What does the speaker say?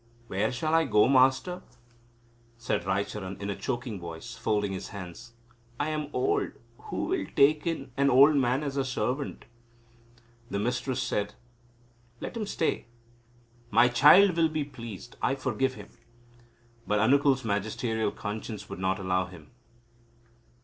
"Where shall I go, Master?" said Raicharan, in a choking voice, folding his hands; "I am old. Who will take in an old man as a servant?" The mistress said: "Let him stay. My child will be pleased. I forgive him." But Anukul's magisterial conscience would not allow him.